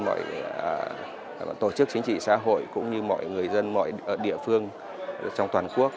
mọi tổ chức chính trị xã hội cũng như mọi người dân mọi địa phương trong toàn quốc